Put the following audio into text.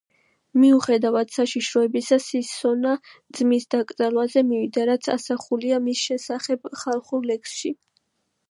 მიუხედავად საშიშროებისა, სისონა ძმის დაკრძალვაზე მივიდა, რაც ასახულია მის შესახებ ხალხურ ლექსში.